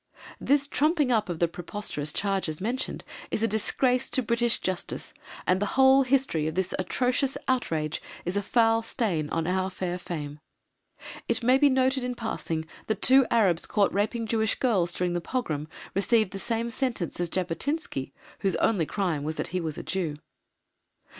This trumping up of the preposterous charges mentioned is a disgrace to British Justice, and the whole history of this atrocious outrage is a foul stain on our fair fame. It may be noted in passing that two Arabs caught raping Jewish girls during the pogrom received the same sentence as Jabotinsky, whose only crime was that he was a Jew.